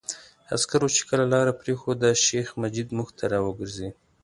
عسکرو چې کله لاره پرېښوده، شیخ مجید موږ ته را وګرځېد.